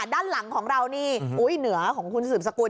ด้านหลังของเรานี่เหนือของคุณสืบสกุล